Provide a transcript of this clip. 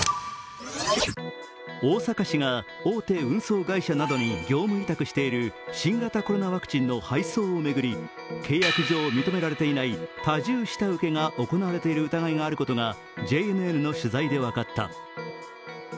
大阪市が大手運送会社などに業務委託している新型コロナワクチンの配送を巡り契約上、認められていない多重下請けが行われている疑いがあることがＪＮＮの取材で分かった。